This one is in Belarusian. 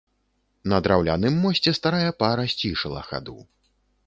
На драўляным мосце старая пара сцішыла хаду.